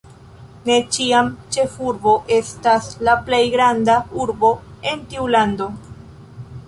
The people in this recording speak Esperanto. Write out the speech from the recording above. Ne ĉiam ĉefurbo estas la plej granda urbo en tiu lando.